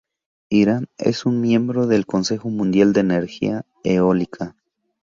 Irán es un miembro del Consejo Mundial de Energía Eólica.